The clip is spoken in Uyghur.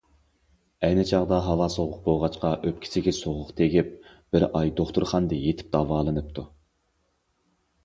ئەينى چاغدا ھاۋا سوغۇق بولغاچقا ئۆپكىسىگە سوغۇق تېگىپ بىر ئاي دوختۇرخانىدا يېتىپ داۋالىنىپتۇ.